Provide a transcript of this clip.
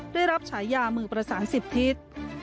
ได้รับฉายามือประสาน๑๐ทิศ